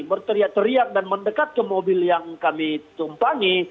berteriak teriak dan mendekat ke mobil yang kami tumpangi